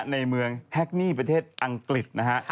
ในเมืองแฮกนี่ประเทศอังกฤษนะฮะ